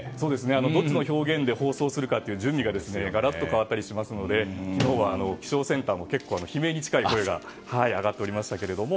どっちの表現で放送するか、準備がガラッと変わったりしますので気象センターも結構悲鳴に近い声が上がっておりましたけれども。